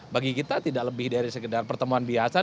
bagi kita tidak lebih dari sekedar pertemuan biasa